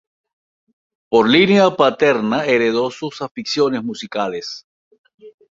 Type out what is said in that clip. Por línea paterna heredó sus aficiones musicales.